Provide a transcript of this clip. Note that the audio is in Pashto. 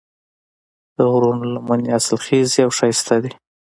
د غرونو لمنې حاصلخیزې او ښایسته دي.